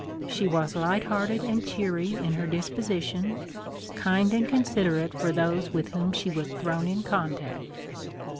She was light hearted and cheery in her disposition, kind and considerate for those with whom she was thrown in contact.